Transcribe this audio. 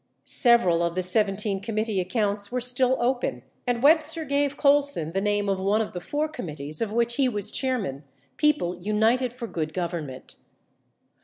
76 Several of the 17 committee accounts were still open, and Webster gave Colson the name of one of the 4 committees of which he was chair man — People United for Good Government.